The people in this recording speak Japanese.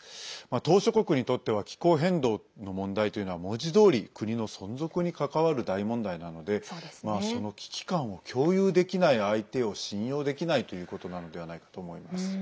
島しょ国にとっては気候変動の問題というのは文字どおり国の存続に関わる大問題なのでその危機感を共有できない相手を信用できないということなのではないかと思います。